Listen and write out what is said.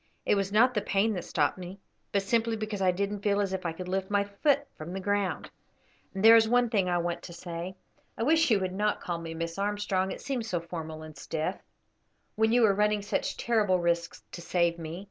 It was not the pain that stopped me, but simply because I didn't feel as if I could lift my foot from the ground. And there is one thing I want to say: I wish you would not call me Miss Armstrong, it seems so formal and stiff, when you are running such terrible risks to save me.